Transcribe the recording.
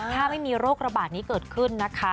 ถ้าไม่มีโรคระบาดนี้เกิดขึ้นนะคะ